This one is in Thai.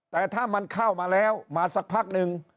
แต่ถ้ามันเข้ามาแล้วมาสักพักหนึ่ง